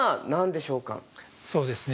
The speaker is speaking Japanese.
そうですね